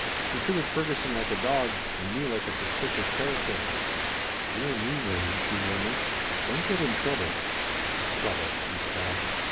He treated Ferguson like a dog and me like a suspicious character." "Dear me, Wayne," she murmured, "don't get in trouble." "Trouble!" he scoffed.